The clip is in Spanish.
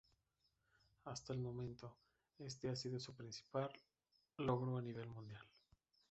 Hasta el momento, este ha sido su principal logro a nivel mundial.